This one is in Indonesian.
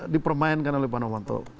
dipermainkan oleh pak novanto